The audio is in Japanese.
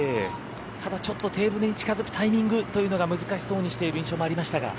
ちょっとテーブルに近づくタイミングを難しそうにしている印象もありましたが。